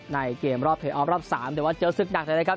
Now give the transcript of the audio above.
ในเกมรอบเทอร์ออฟรอบ๓เดี๋ยวว่าเจอสึกหนักเลยนะครับ